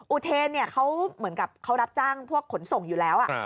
อุเทนเขาเหมือนกับเขารับจ้างพวกขนส่งอยู่แล้ว